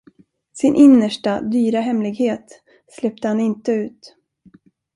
Sin innersta dyra hemlighet släppte han inte ut.